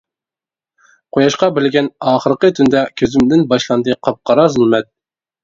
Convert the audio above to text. قۇياشقا بېرىلگەن ئاخىرقى تۈندە كۆزۈمدىن باشلاندى قاپقارا زۇلمەت.